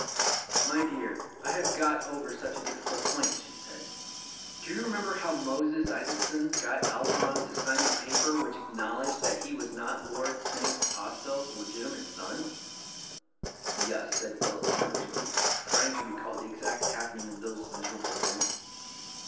"My dear, I have got over such a difficult point," she said. "Do you remember how Moses Isaacson got Algernon to sign the paper which acknowledged that he was not Lord St. Austell's legitimate son?" "Yes, yes," said Philip feverishly, trying to re call the exact happening of those miserable events.